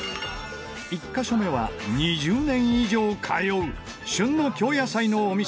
１カ所目は２０年以上通う旬の京野菜のお店。